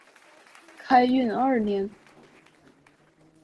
开运二年。